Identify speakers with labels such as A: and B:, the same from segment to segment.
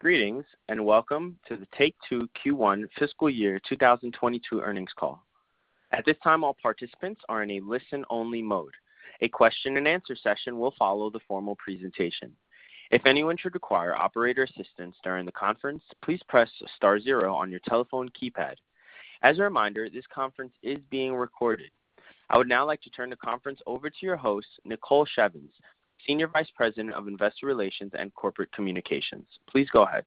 A: Greetings, and welcome to the Take-Two Q1 fiscal year 2022 earnings call. At this time, all participants are in a listen-only mode. A question and answer session will follow the formal presentation. If anyone should require operator assistance during the conference, please press star zero on your telephone keypad. As a reminder, this conference is being recorded. I would now like to turn the conference over to your host, Nicole Shevins, Senior Vice President of Investor Relations and Corporate Communications. Please go ahead.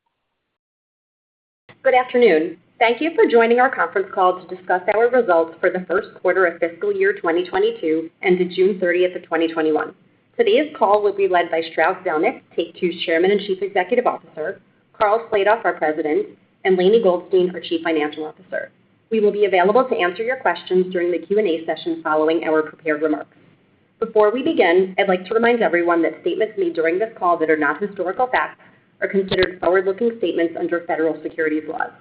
B: Good afternoon. Thank you for joining our conference call to discuss our results for the first quarter of fiscal year 2022, ended June 30th, 2021. Today's call will be led by Strauss Zelnick, Take-Two's Chairman and Chief Executive Officer, Karl Slatoff, our President, and Lainie Goldstein, our Chief Financial Officer. We will be available to answer your questions during the Q&A session following our prepared remarks. Before we begin, I'd like to remind everyone that statements made during this call that are not historical facts are considered forward-looking statements under federal securities laws.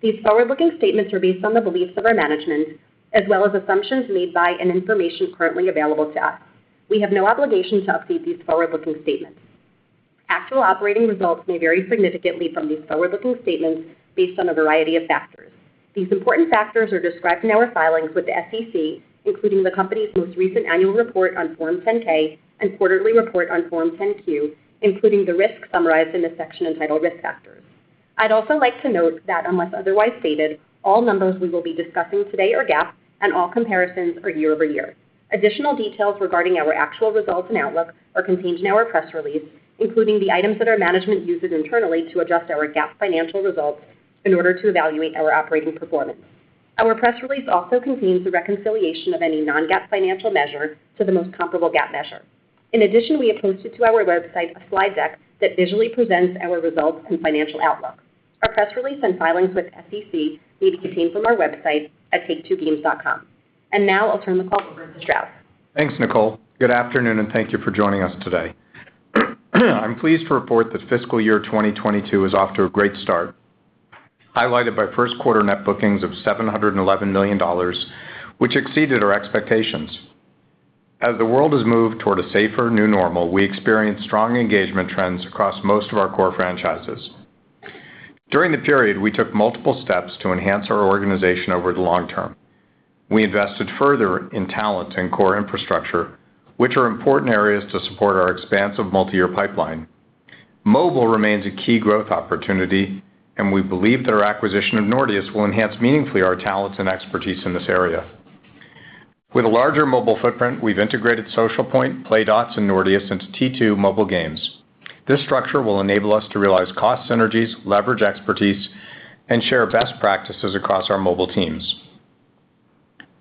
B: These forward-looking statements are based on the beliefs of our management, as well as assumptions made by and information currently available to us. We have no obligation to update these forward-looking statements. Actual operating results may vary significantly from these forward-looking statements based on a variety of factors. These important factors are described in our filings with the SEC, including the company's most recent annual report on Form 10-K and quarterly report on Form 10-Q, including the risks summarized in the section entitled Risk Factors. I'd also like to note that unless otherwise stated, all numbers we will be discussing today are GAAP, and all comparisons are year-over-year. Additional details regarding our actual results and outlook are contained in our press release, including the items that our management uses internally to adjust our GAAP financial results in order to evaluate our operating performance. Our press release also contains the reconciliation of any non-GAAP financial measure to the most comparable GAAP measure. In addition, we have posted to our website a slide deck that visually presents our results and financial outlook. Our press release and filings with SEC may be obtained from our website at taketwogames.com. Now I'll turn the call over to Strauss.
C: Thanks, Nicole. Good afternoon, and thank you for joining us today. I'm pleased to report that fiscal year 2022 is off to a great start, highlighted by first quarter net bookings of $711 million, which exceeded our expectations. As the world has moved toward a safer new normal, we experienced strong engagement trends across most of our core franchises. During the period, we took multiple steps to enhance our organization over the long term. We invested further in talent and core infrastructure, which are important areas to support our expansive multi-year pipeline. Mobile remains a key growth opportunity, and we believe that our acquisition of Nordeus will enhance meaningfully our talents and expertise in this area. With a larger mobile footprint, we've integrated Socialpoint, Playdots, and Nordeus into T2 Mobile Games. This structure will enable us to realize cost synergies, leverage expertise, and share best practices across our mobile teams.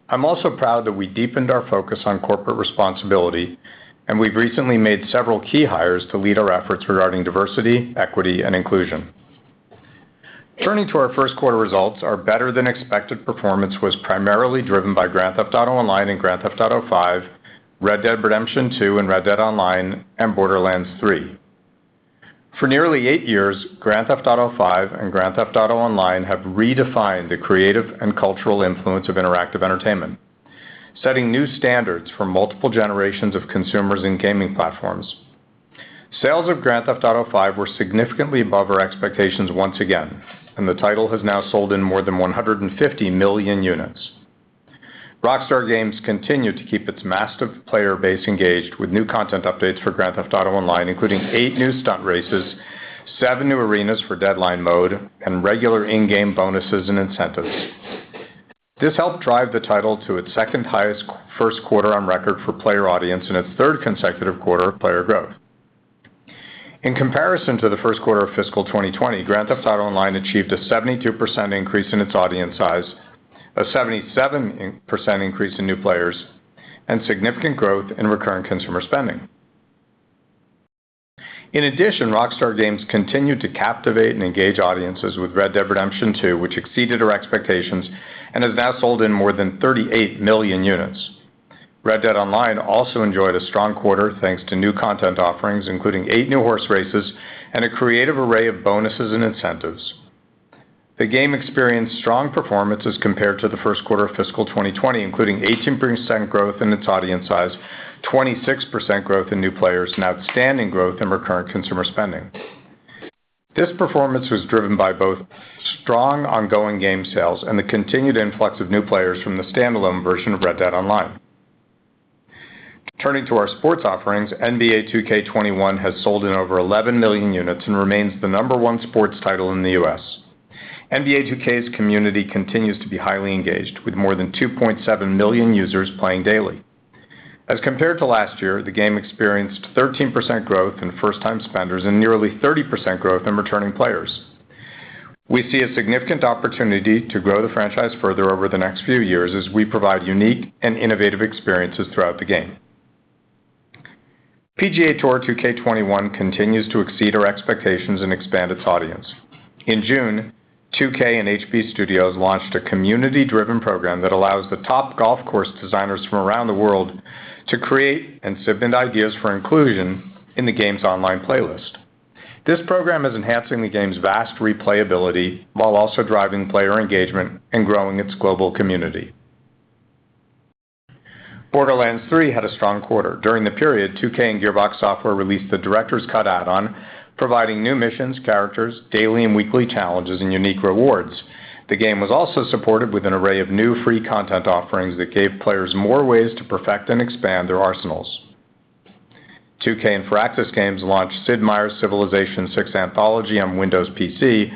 C: I'm also proud that we deepened our focus on corporate responsibility, and we've recently made several key hires to lead our efforts regarding Diversity, Equity, and Inclusion. Turning to our first quarter results, our better than expected performance was primarily driven by Grand Theft Auto Online and Grand Theft Auto V, Red Dead Redemption 2 and Red Dead Online, and Borderlands 3. For nearly eight years, Grand Theft Auto V and Grand Theft Auto Online have redefined the creative and cultural influence of interactive entertainment, setting new standards for multiple generations of consumers and gaming platforms. Sales of Grand Theft Auto V were significantly above our expectations once again, and the title has now sold in more than 150 million units. Rockstar Games continued to keep its massive player base engaged with new content updates for Grand Theft Auto Online, including eight new stunt races, seven new arenas for Deadline Mode, and regular in-game bonuses and incentives. This helped drive the title to its second highest first quarter on record for player audience and its third consecutive quarter of player growth. In comparison to the first quarter of fiscal 2020, Grand Theft Auto Online achieved a 72% increase in its audience size, a 77% increase in new players, and significant growth in recurring consumer spending. In addition, Rockstar Games continued to captivate and engage audiences with Red Dead Redemption 2, which exceeded our expectations and has now sold in more than 38 million units. Red Dead Online also enjoyed a strong quarter thanks to new content offerings, including eight new horse races and a creative array of bonuses and incentives. The game experienced strong performance as compared to the first quarter of fiscal 2020, including 18% growth in its audience size, 26% growth in new players, and outstanding growth in recurrent consumer spending. This performance was driven by both strong ongoing game sales and the continued influx of new players from the standalone version of Red Dead Online. Turning to our sports offerings, NBA 2K21 has sold in over 11 million units and remains the number one sports title in the U.S. NBA 2K's community continues to be highly engaged, with more than 2.7 million users playing daily. As compared to last year, the game experienced 13% growth in first-time spenders and nearly 30% growth in returning players. We see a significant opportunity to grow the franchise further over the next few years as we provide unique and innovative experiences throughout the game. PGA Tour 2K21 continues to exceed our expectations and expand its audience. In June, 2K and HB Studios launched a community-driven program that allows the top golf course designers from around the world to create and submit ideas for inclusion in the game's online playlist. This program is enhancing the game's vast replayability while also driving player engagement and growing its global community. Borderlands 3 had a strong quarter. During the period, 2K and Gearbox Software released the Director's Cut add-on, providing new missions, characters, daily and weekly challenges, and unique rewards. The game was also supported with an array of new free content offerings that gave players more ways to perfect and expand their arsenals. 2K and Firaxis Games launched Sid Meier's Civilization VI Anthology on Windows PC,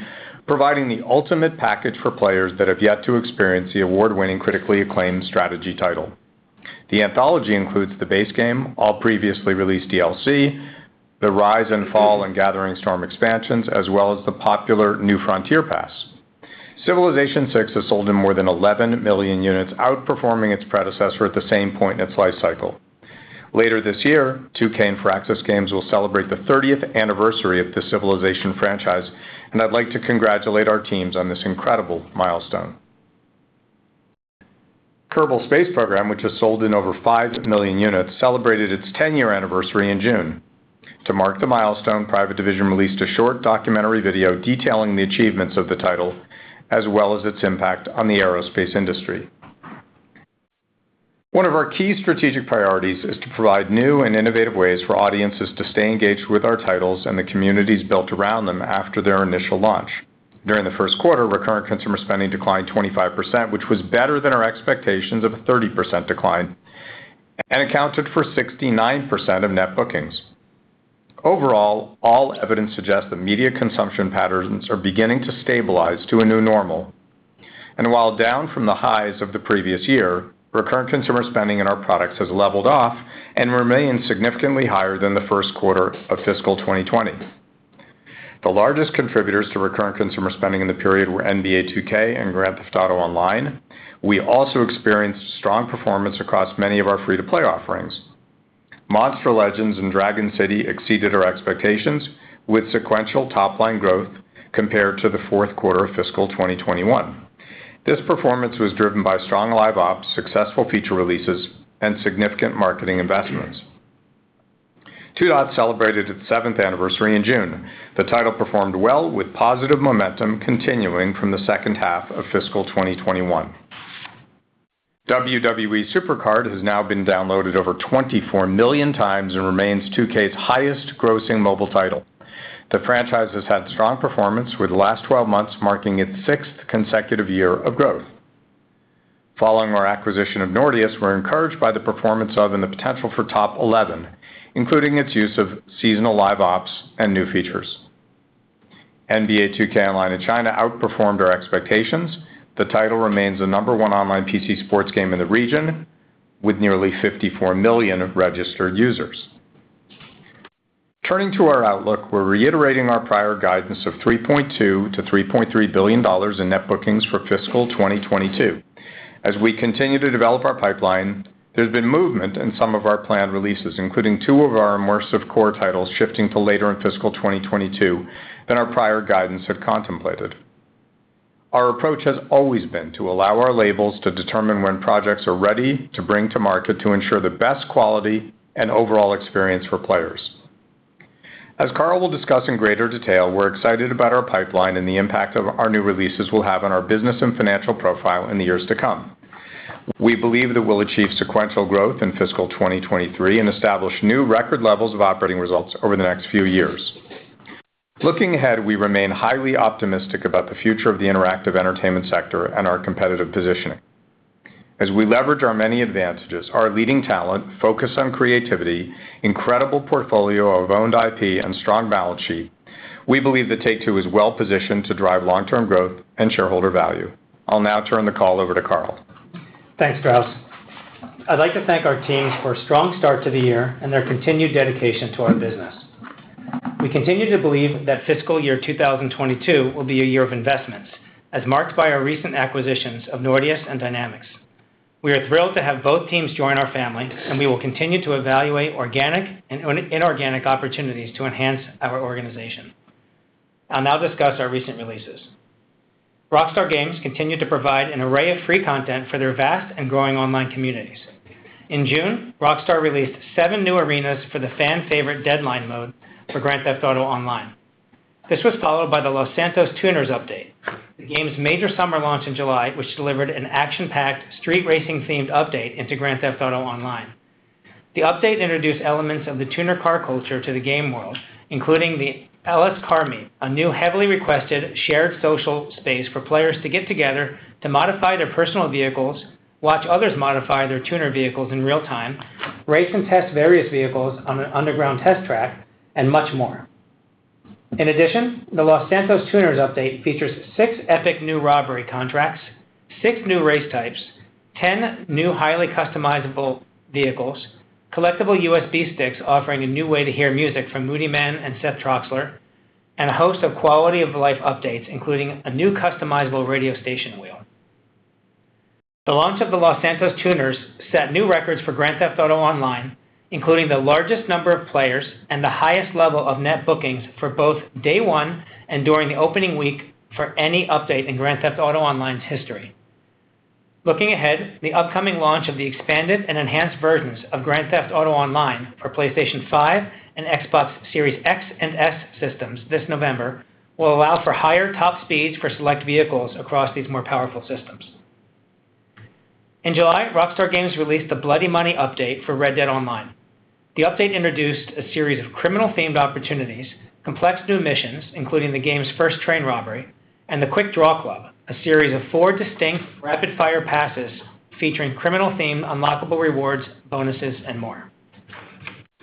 C: providing the ultimate package for players that have yet to experience the award-winning, critically acclaimed strategy title. The anthology includes the base game, all previously released DLC, the Rise and Fall and Gathering Storm expansions, as well as the popular New Frontier Pass. Civilization VI has sold in more than 11 million units, outperforming its predecessor at the same point in its life cycle. Later this year, 2K and Firaxis Games will celebrate the 30th anniversary of the Civilization franchise, and I'd like to congratulate our teams on this incredible milestone. Kerbal Space Program, which has sold in over five million units, celebrated its 10-year anniversary in June. To mark the milestone, Private Division released a short documentary video detailing the achievements of the title, as well as its impact on the aerospace industry. One of our key strategic priorities is to provide new and innovative ways for audiences to stay engaged with our titles and the communities built around them after their initial launch. During the first quarter, recurrent consumer spending declined 25%, which was better than our expectations of a 30% decline, and accounted for 69% of net bookings. Overall, all evidence suggests that media consumption patterns are beginning to stabilize to a new normal. While down from the highs of the previous year, recurrent consumer spending in our products has leveled off and remains significantly higher than the first quarter of fiscal 2020. The largest contributors to recurrent consumer spending in the period were NBA 2K and Grand Theft Auto Online. We also experienced strong performance across many of our free-to-play offerings. Monster Legends and Dragon City exceeded our expectations, with sequential top-line growth compared to the fourth quarter of fiscal 2021. This performance was driven by strong live ops, successful feature releases, and significant marketing investments. Two Dots celebrated its seventh anniversary in June. The title performed well, with positive momentum continuing from the second half of fiscal 2021. WWE SuperCard has now been downloaded over 24 million times and remains 2K's highest grossing mobile title. The franchise has had strong performance, with the last 12 months marking its sixth consecutive year of growth. Following our acquisition of Nordeus, we're encouraged by the performance of and the potential for Top Eleven, including its use of seasonal live ops and new features. NBA 2K Online in China outperformed our expectations. The title remains the number one online PC sports game in the region, with nearly 54 million registered users. Turning to our outlook, we're reiterating our prior guidance of $3.2 billion-$3.3 billion in net bookings for fiscal 2022. As we continue to develop our pipeline, there's been movement in some of our planned releases, including two of our immersive core titles shifting to later in fiscal 2022 than our prior guidance had contemplated. Our approach has always been to allow our labels to determine when projects are ready to bring to market to ensure the best quality and overall experience for players. As Karl will discuss in greater detail, we're excited about our pipeline and the impact our new releases will have on our business and financial profile in the years to come. We believe that we'll achieve sequential growth in fiscal 2023 and establish new record levels of operating results over the next few years. Looking ahead, we remain highly optimistic about the future of the interactive entertainment sector and our competitive positioning. As we leverage our many advantages, our leading talent, focus on creativity, incredible portfolio of owned IP, and strong balance sheet, we believe that Take-Two is well positioned to drive long-term growth and shareholder value. I'll now turn the call over to Karl.
D: Thanks, Strauss. I'd like to thank our teams for a strong start to the year and their continued dedication to our business. We continue to believe that fiscal year 2022 will be a year of investments, as marked by our recent acquisitions of Nordeus and Dynamixyz. We are thrilled to have both teams join our family, and we will continue to evaluate organic and inorganic opportunities to enhance our organization. I'll now discuss our recent releases. Rockstar Games continued to provide an array of free content for their vast and growing online communities. In June, Rockstar released seven new arenas for the fan favorite Deadline mode for Grand Theft Auto Online. This was followed by the Los Santos Tuners update, the game's major summer launch in July, which delivered an action-packed, street racing themed update into Grand Theft Auto Online. The update introduced elements of the tuner car culture to the game world, including the LS Car Meet, a new heavily requested shared social space for players to get together to modify their personal vehicles, watch others modify their tuner vehicles in real time, race and test various vehicles on an underground test track, and much more. In addition, the Los Santos Tuners update features six epic new robbery contracts, six new race types, 10 new highly customizable vehicles, collectible USB sticks offering a new way to hear music from Moodymann and Seth Troxler, and a host of quality of life updates, including a new customizable radio station wheel. The launch of the Los Santos Tuners set new records for Grand Theft Auto Online, including the largest number of players and the highest level of net bookings for both day one and during the opening week for any update in Grand Theft Auto Online's history. Looking ahead, the upcoming launch of the expanded and enhanced versions of Grand Theft Auto Online for PlayStation 5 and Xbox Series X and S systems this November will allow for higher top speeds for select vehicles across these more powerful systems. In July, Rockstar Games released the Blood Money update for Red Dead Online. The update introduced a series of criminal-themed opportunities, complex new missions, including the game's first train robbery, and the Quick Draw Club, a series of four distinct rapid-fire passes featuring criminal-themed unlockable rewards, bonuses, and more.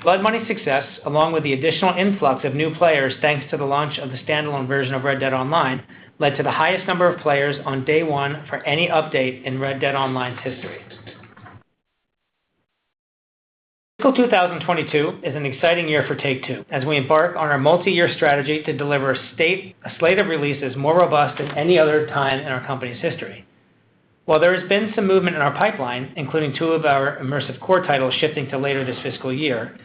D: Blood Money's success, along with the additional influx of new players thanks to the launch of the standalone version of Red Dead Online, led to the highest number of players on day one for any update in Red Dead Online's history. Fiscal 2022 is an exciting year for Take-Two as we embark on our multi-year strategy to deliver a slate of releases more robust than any other time in our company's history. While there has been some movement in our pipeline, including two of our immersive core titles shifting to later this fiscal year,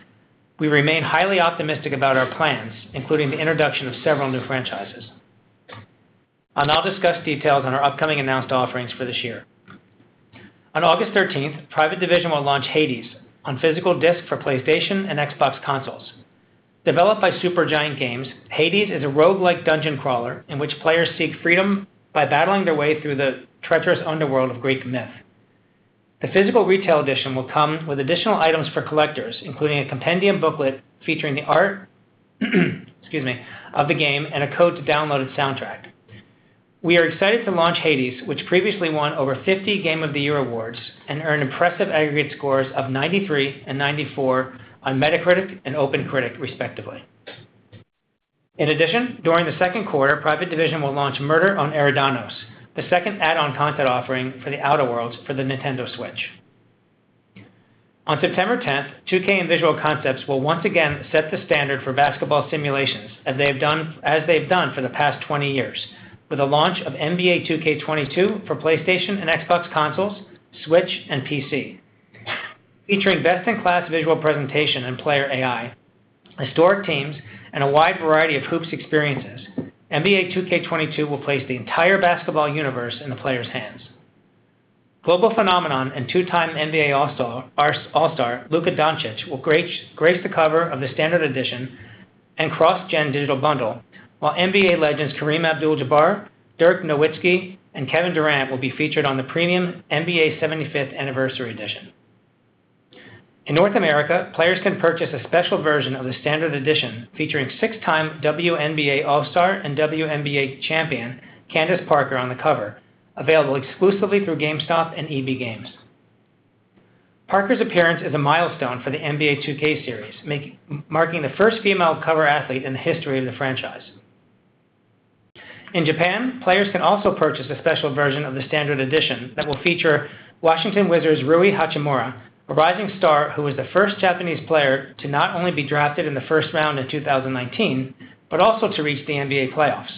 D: we remain highly optimistic about our plans, including the introduction of several new franchises. I'll now discuss details on our upcoming announced offerings for this year. On August 13th, Private Division will launch Hades on physical disk for PlayStation and Xbox consoles. Developed by Supergiant Games, Hades is a roguelike dungeon crawler in which players seek freedom by battling their way through the treacherous underworld of Greek myth. The physical retail edition will come with additional items for collectors, including a compendium booklet featuring the art of the game and a code to download its soundtrack. We are excited to launch Hades, which previously won over 50 Game of the Year awards and earned impressive aggregate scores of 93 and 94 on Metacritic and OpenCritic, respectively. In addition, during the second quarter, Private Division will launch The Outer Worlds: Murder on Eridanos, the second add-on content offering for The Outer Worlds for the Nintendo Switch. On September 10th, 2K and Visual Concepts will once again set the standard for basketball simulations as they've done for the past 20 years with the launch of NBA 2K22 for PlayStation and Xbox consoles, Switch, and PC. Featuring best-in-class visual presentation and player AI, historic teams, and a wide variety of hoops experiences, NBA 2K22 will place the entire basketball universe in the player's hands. Global phenomenon and two-time NBA All-Star, Luka Dončić, will grace the cover of the standard edition and cross-gen digital bundle, while NBA legends Kareem Abdul-Jabbar, Dirk Nowitzki, and Kevin Durant will be featured on the premium NBA 75th Anniversary Edition. In North America, players can purchase a special version of the Standard Edition featuring six-time WNBA All-Star and WNBA champion, Candace Parker on the cover, available exclusively through GameStop and EB Games. Parker's appearance is a milestone for the NBA 2K series, marking the first female cover athlete in the history of the franchise. In Japan, players can also purchase a special version of the Standard Edition that will feature Washington Wizards' Rui Hachimura, a rising star who was the first Japanese player to not only be drafted in the first round in 2019, but also to reach the NBA playoffs.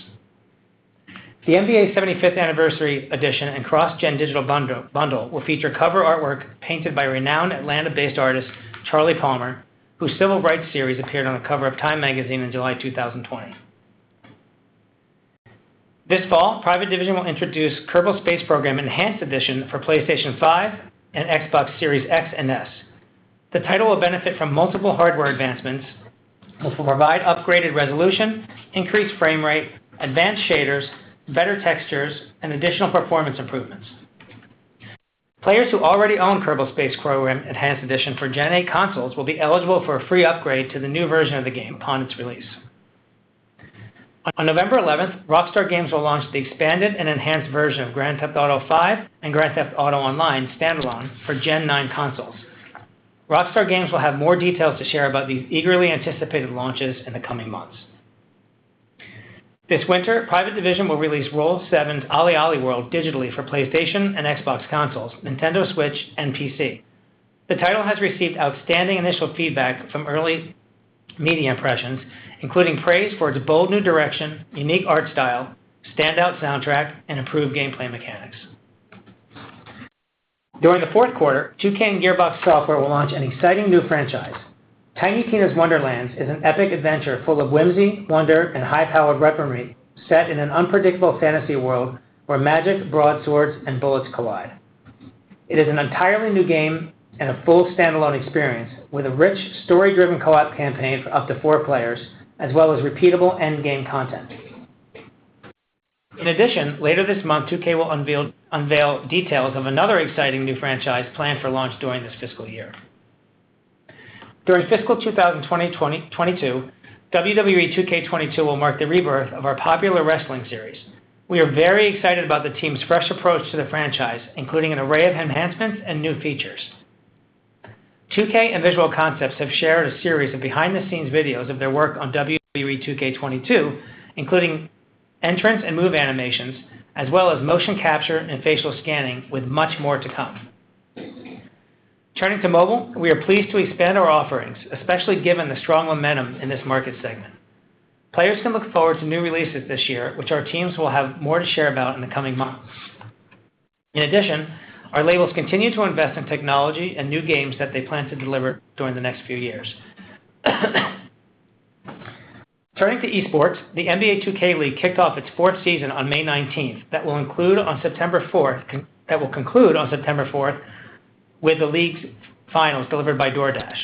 D: The NBA 75th Anniversary Edition and cross-gen digital bundle will feature cover artwork painted by renowned Atlanta-based artist Charly Palmer, whose civil rights series appeared on the cover of Time magazine in July 2020. This fall, Private Division will introduce Kerbal Space Program Enhanced Edition for PlayStation 5 and Xbox Series X and S. The title will benefit from multiple hardware advancements, which will provide upgraded resolution, increased frame rate, advanced shaders, better textures, and additional performance improvements. Players who already own Kerbal Space Program Enhanced Edition for Gen 8 consoles will be eligible for a free upgrade to the new version of the game upon its release. On November 11th, Rockstar Games will launch the expanded and enhanced version of Grand Theft Auto V and Grand Theft Auto Online standalone for Gen 9 consoles. Rockstar Games will have more details to share about these eagerly anticipated launches in the coming months. This winter, Private Division will release Roll7's OlliOlli World digitally for PlayStation and Xbox consoles, Nintendo Switch, and PC. The title has received outstanding initial feedback from early media impressions, including praise for its bold new direction, unique art style, standout soundtrack, and improved gameplay mechanics. During the fourth quarter, 2K and Gearbox Software will launch an exciting new franchise. Tiny Tina's Wonderlands is an epic adventure full of whimsy, wonder, and high-powered weaponry set in an unpredictable fantasy world where magic, broad swords, and bullets collide. It is an entirely new game and a full standalone experience with a rich story-driven co-op campaign for up to four players, as well as repeatable endgame content. In addition, later this month, 2K will unveil details of another exciting new franchise planned for launch during this fiscal year. During fiscal 2022, WWE 2K22 will mark the rebirth of our popular wrestling series. We are very excited about the team's fresh approach to the franchise, including an array of enhancements and new features. 2K and Visual Concepts have shared a series of behind-the-scenes videos of their work on WWE 2K22, including entrance and move animations, as well as motion capture and facial scanning, with much more to come. Turning to mobile, we are pleased to expand our offerings, especially given the strong momentum in this market segment. Players can look forward to new releases this year, which our teams will have more to share about in the coming months. In addition, our labels continue to invest in technology and new games that they plan to deliver during the next few years. Turning to esports, the NBA 2K League kicked off its fourth season on May 19th, that will conclude on September 4th with the league's finals delivered by DoorDash.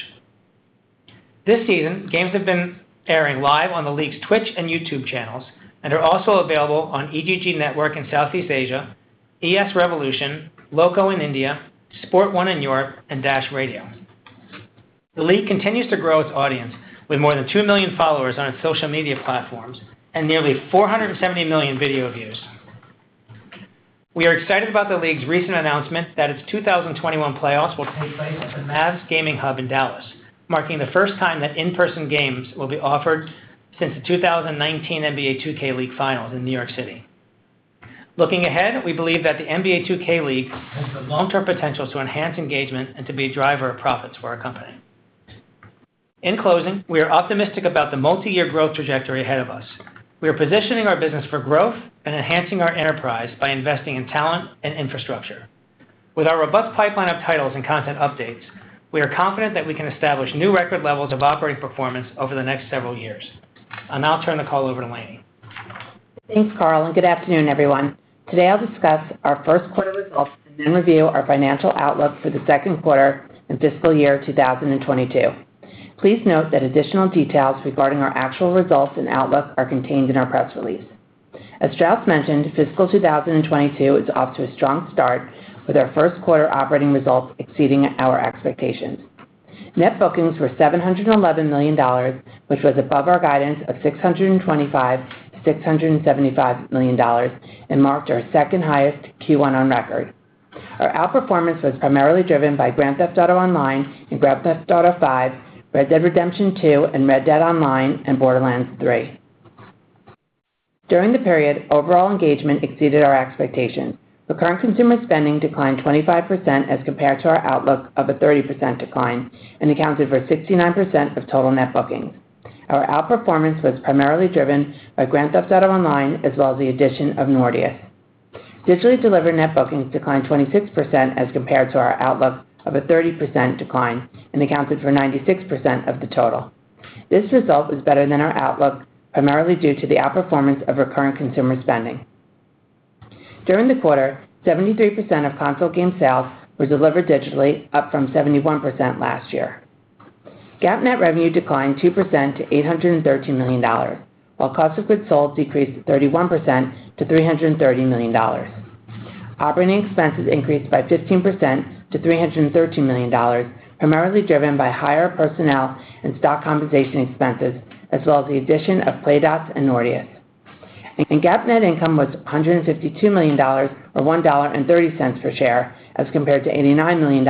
D: This season, games have been airing live on the league's Twitch and YouTube channels and are also available on eGG Network in Southeast Asia, ESRevolution, Loco in India, Sport1 in Europe, and Dash Radio. The league continues to grow its audience with more than two million followers on its social media platforms and nearly 470 million video views. We are excited about the league's recent announcement that its 2021 playoffs will take place at the Mavs Gaming Hub in Dallas, marking the first time that in-person games will be offered since the 2019 NBA 2K League finals in New York City. Looking ahead, we believe that the NBA 2K League has the long-term potential to enhance engagement and to be a driver of profits for our company. In closing, we are optimistic about the multi-year growth trajectory ahead of us. We are positioning our business for growth and enhancing our enterprise by investing in talent and infrastructure. With our robust pipeline of titles and content updates, we are confident that we can establish new record levels of operating performance over the next several years. I'll now turn the call over to Lainie.
E: Thanks, Karl, and good afternoon, everyone. Today, I'll discuss our first quarter results and then review our financial outlook for the second quarter and fiscal year 2022. Please note that additional details regarding our actual results and outlook are contained in our press release. As Strauss mentioned, fiscal year 2022 is off to a strong start with our first quarter operating results exceeding our expectations. Net bookings were $711 million, which was above our guidance of $625 million-$675 million and marked our second highest Q1 on record. Our outperformance was primarily driven by Grand Theft Auto Online and Grand Theft Auto V, Red Dead Redemption 2 and Red Dead Online, and Borderlands 3. During the period, overall engagement exceeded our expectations. Recurrent consumer spending declined 25% as compared to our outlook of a 30% decline and accounted for 69% of total net bookings. Our outperformance was primarily driven by Grand Theft Auto Online as well as the addition of Nordeus. Digitally delivered net bookings declined 26% as compared to our outlook of a 30% decline and accounted for 96% of the total. This result is better than our outlook, primarily due to the outperformance of recurrent consumer spending. During the quarter, 73% of console game sales were delivered digitally, up from 71% last year. GAAP net revenue declined 2% to $813 million, while cost of goods sold decreased 31% to $330 million. Operating expenses increased by 15% to $313 million, primarily driven by higher personnel and stock compensation expenses, as well as the addition of Playdots and Nordeus. GAAP net income was $152 million, or $1.30 per share, as compared to $89 million,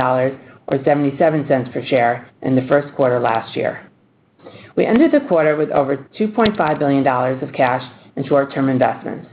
E: or $0.77 per share in the first quarter last year. We ended the quarter with over $2.5 billion of cash and short-term investments.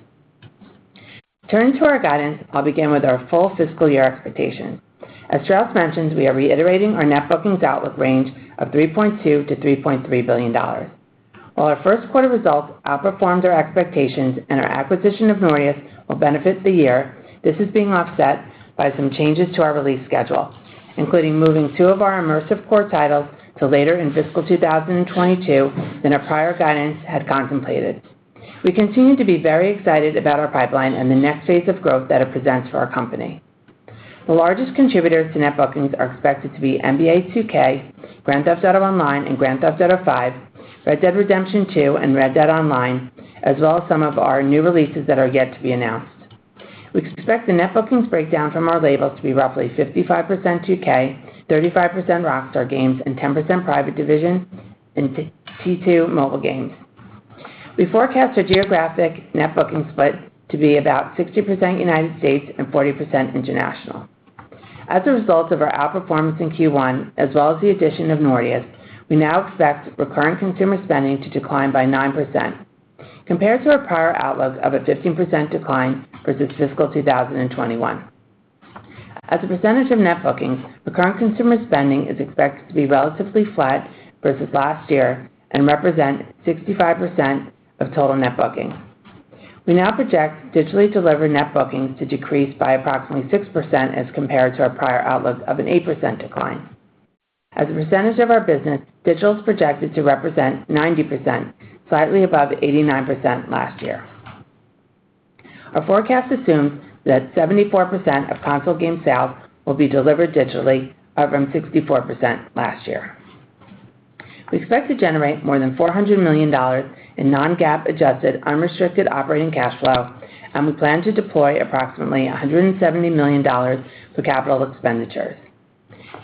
E: Turning to our guidance, I will begin with our full fiscal year expectations. As Strauss mentioned, we are reiterating our net bookings outlook range of $3.2 billion-$3.3 billion. While our first quarter results outperformed our expectations and our acquisition of Nordeus will benefit the year, this is being offset by some changes to our release schedule, including moving two of our immersive core titles to later in fiscal 2022 than our prior guidance had contemplated. We continue to be very excited about our pipeline and the next phase of growth that it presents for our company. The largest contributors to net bookings are expected to be NBA 2K, Grand Theft Auto Online, and Grand Theft Auto V, Red Dead Redemption 2, and Red Dead Online, as well as some of our new releases that are yet to be announced. We expect the net bookings breakdown from our labels to be roughly 55% 2K, 35% Rockstar Games, and 10% Private Division and T2 Mobile Games. We forecast our geographic net booking split to be about 60% United States and 40% international. As a result of our outperformance in Q1, as well as the addition of Nordeus, we now expect recurring consumer spending to decline by 9%, compared to our prior outlook of a 15% decline versus fiscal 2021. As a percentage of net bookings, recurring consumer spending is expected to be relatively flat versus last year and represent 65% of total net bookings. We now project digitally delivered net bookings to decrease by approximately 6% as compared to our prior outlook of an 8% decline. As a percentage of our business, digital is projected to represent 90%, slightly above 89% last year. Our forecast assumes that 74% of console game sales will be delivered digitally, up from 64% last year. We expect to generate more than $400 million in non-GAAP adjusted unrestricted operating cash flow, and we plan to deploy approximately $170 million for capital expenditures.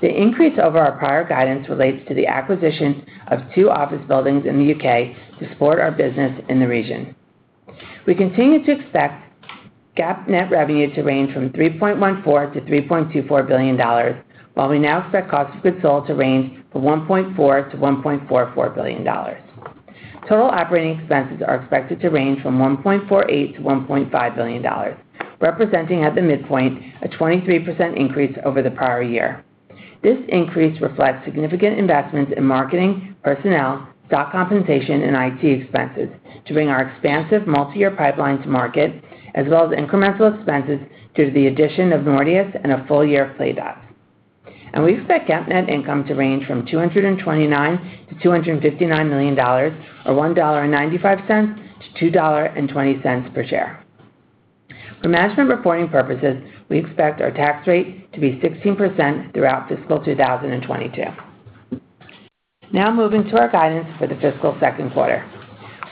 E: The increase over our prior guidance relates to the acquisition of two office buildings in the U.K. to support our business in the region. We continue to expect GAAP net revenue to range from $3.14 billion-$3.24 billion, while we now expect cost of goods sold to range from $1.4 billion-$1.44 billion. Total operating expenses are expected to range from $1.48 billion-$1.5 billion, representing at the midpoint a 23% increase over the prior year. This increase reflects significant investments in marketing, personnel, stock compensation, and IT expenses to bring our expansive multi-year pipeline to market, as well as incremental expenses due to the addition of Nordeus and a full year of Playdots. We expect GAAP net income to range from $229 million-$259 million, or $1.95-$2.20 per share. For management reporting purposes, we expect our tax rate to be 16% throughout fiscal 2022. Moving to our guidance for the fiscal second quarter.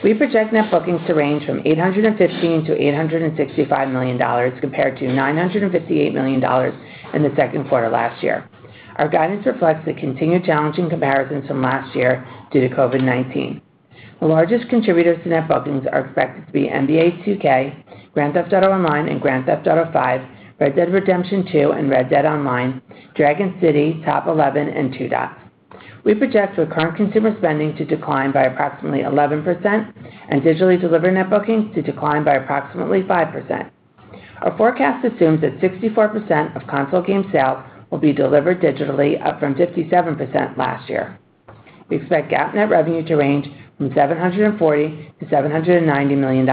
E: We project net bookings to range from $815 million-$865 million, compared to $958 million in the second quarter last year. Our guidance reflects the continued challenging comparisons from last year due to COVID-19. The largest contributors to net bookings are expected to be NBA 2K, Grand Theft Auto Online, and Grand Theft Auto V, Red Dead Redemption 2, and Red Dead Online, Dragon City, Top Eleven, and Two Dots. We project the current consumer spending to decline by approximately 11%, and digitally delivered net bookings to decline by approximately 5%. Our forecast assumes that 64% of console game sales will be delivered digitally, up from 57% last year. We expect GAAP net revenue to range from $740 million-$790 million,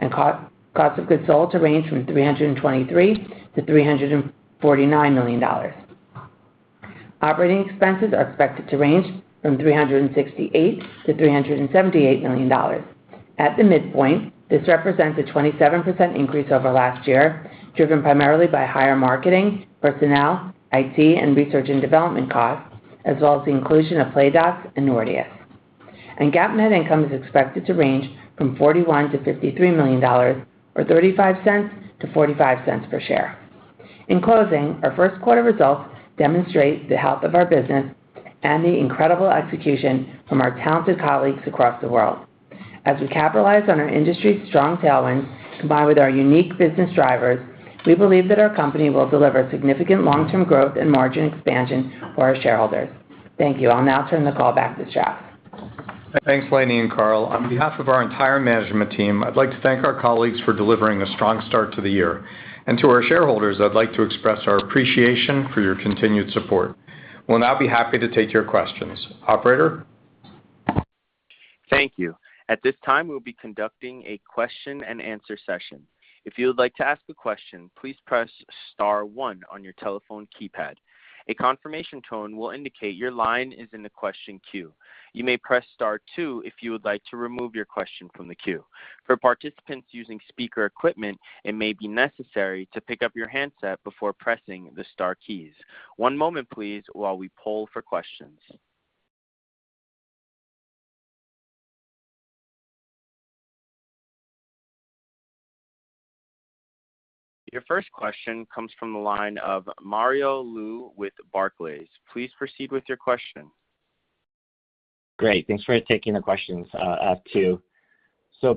E: and cost of goods sold to range from $323 million-$349 million. Operating expenses are expected to range from $368 million-$378 million. At the midpoint, this represents a 27% increase over last year, driven primarily by higher marketing, personnel, IT, and research and development costs, as well as the inclusion of Playdots and Nordeus. GAAP net income is expected to range from $41 million-$53 million, or $0.35-$0.45 per share. In closing, our first quarter results demonstrate the health of our business and the incredible execution from our talented colleagues across the world. As we capitalize on our industry's strong tailwinds, combined with our unique business drivers, we believe that our company will deliver significant long-term growth and margin expansion for our shareholders. Thank you. I'll now turn the call back to Strauss.
C: Thanks, Lainie and Karl. On behalf of our entire management team, I'd like to thank our colleagues for delivering a strong start to the year. To our shareholders, I'd like to express our appreciation for your continued support. We'll now be happy to take your questions. Operator?
A: Thank you. At this time we’ll be conducting a question and answer session. If you would like to ask a question, please press star one on your telephone keypad. A confirmation tone will indicate your line is in the question queue. You may press star two if you would like to remove your question from the queue. For participants using speaker equipment, it may be necessary to pick up your handset before pressing the star keys. One moment please. Your first question comes from the line of Mario Lu with Barclays. Please proceed with your question.
F: Great. Thanks for taking the questions, too.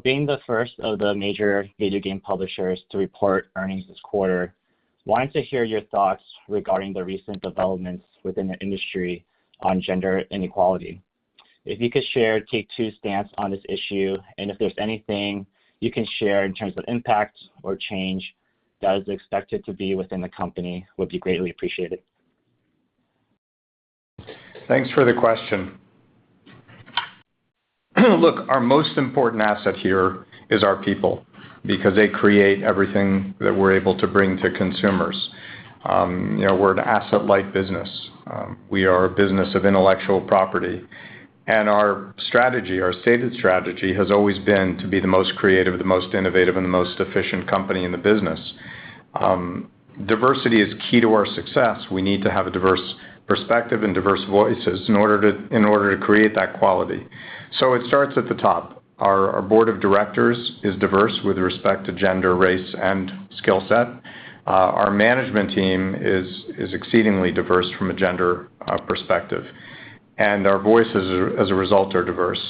F: Being the first of the major video game publishers to report earnings this quarter, I wanted to hear your thoughts regarding the recent developments within the industry on gender inequality. If you could share Take-Two's stance on this issue, and if there's anything you can share in terms of impact or change that is expected to be within the company, would be greatly appreciated.
C: Thanks for the question. Look, our most important asset here is our people, because they create everything that we're able to bring to consumers. We're an asset-light business. We are a business of intellectual property. Our strategy, our stated strategy, has always been to be the most creative, the most innovative, and the most efficient company in the business. Diversity is key to our success. We need to have a diverse perspective and diverse voices in order to create that quality. It starts at the top. Our board of directors is diverse with respect to gender, race, and skill set. Our management team is exceedingly diverse from a gender perspective. Our voices, as a result, are diverse.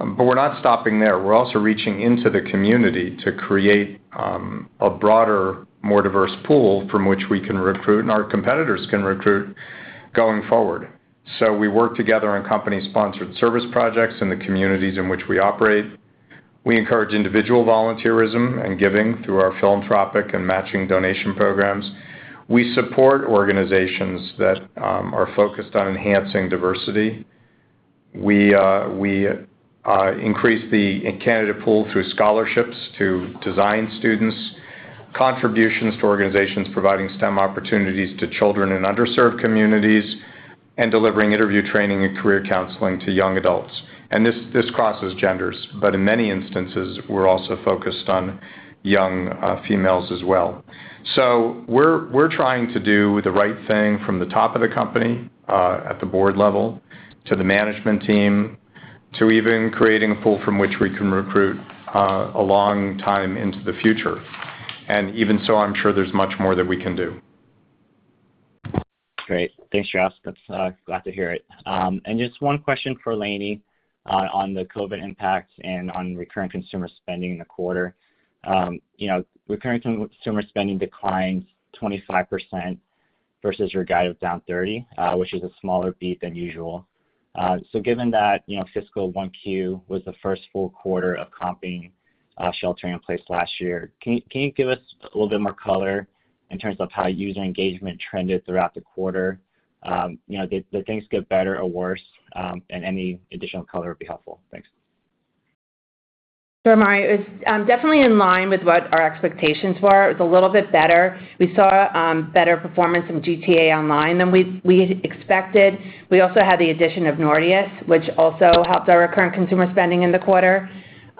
C: We're not stopping there. We're also reaching into the community to create a broader, more diverse pool from which we can recruit and our competitors can recruit going forward. We work together on company-sponsored service projects in the communities in which we operate. We encourage individual volunteerism and giving through our philanthropic and matching donation programs. We support organizations that are focused on enhancing diversity. We increase the candidate pool through scholarships to design students, contributions to organizations providing STEM opportunities to children in underserved communities, and delivering interview training and career counseling to young adults. This crosses genders, but in many instances, we're also focused on young females as well. We're trying to do the right thing from the top of the company at the board level, to the management team, to even creating a pool from which we can recruit a long time into the future. Even so, I'm sure there's much more that we can do.
F: Great. Thanks, Strauss. Glad to hear it. Just one question for Lainie on the COVID impact and on recurring consumer spending in the quarter. Recurring consumer spending declined 25% versus your guide of down 30%, which is a smaller beat than usual. Given that fiscal 1Q was the first full quarter of comping sheltering in place last year, can you give us a little bit more color in terms of how user engagement trended throughout the quarter? Did things get better or worse? Any additional color would be helpful. Thanks.
E: Sure, Mario. It was definitely in line with what our expectations were. It was a little bit better. We saw better performance in Grand Theft Auto Online than we had expected. We also had the addition of Nordeus, which also helped our recurrent consumer spending in the quarter.